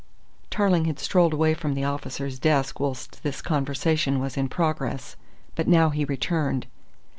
Tarling had strolled away from the officer's desk whilst this conversation was in progress, but now he returned.